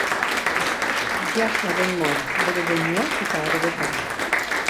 Jazz erritmoan, bere doinuak eta beretartuak.